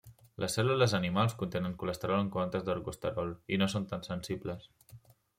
Les cèl·lules animals contenen colesterol en comptes d'ergosterol i no són tan sensibles.